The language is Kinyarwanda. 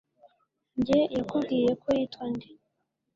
Njye yakubwiye ko yitwa nde